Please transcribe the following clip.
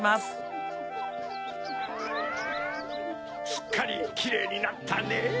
すっかりキレイになったねぇ。